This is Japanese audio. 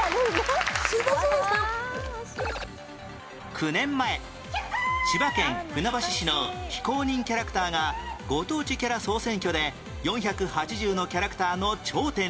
９年前千葉県船橋市の非公認キャラクターがご当地キャラ総選挙で４８０のキャラクターの頂点に